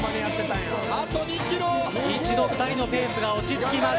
一度２人のペースが落ち着きます。